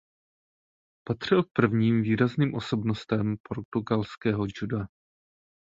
Patřil k prvním výrazným osobnostem portugalského juda.